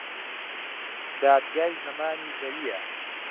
دادگای زەمانی زەویە